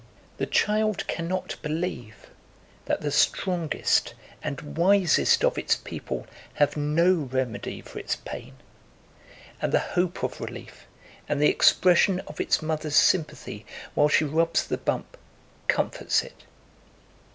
The child cannot believe that the strongest and wisest of its people have no remedy for its pain, and the hope of relief and the expression of its mother's sympathy while she rubs the bump comforts it.